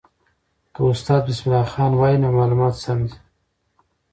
که استاد بسم الله خان وایي، نو معلومات سم دي.